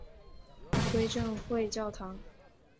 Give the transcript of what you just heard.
归正会教堂。